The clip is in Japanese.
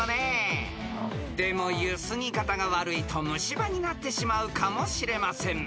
［でもゆすぎ方が悪いと虫歯になってしまうかもしれません］